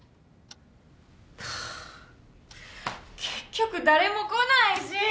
結局誰も来ないし。